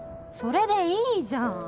それでいいじゃん